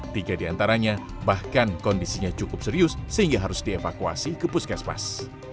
tiga di antaranya bahkan kondisinya cukup serius sehingga harus dievakuasi ke puskesmas